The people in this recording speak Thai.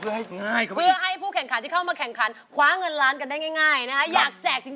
เพื่อให้ผู้แข่งขันที่เข้ามาแข่งขันคว้าเงินล้านกันได้ง่ายนะคะอยากแจกจริง